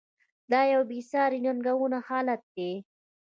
دا یوه بې ساري ننګونکی حالت دی.